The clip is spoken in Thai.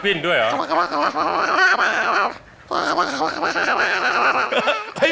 ควาย